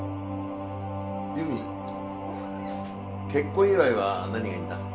結婚祝いは何がいいんだ？